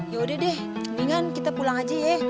yaudah deh mendingan kita pulang aja ya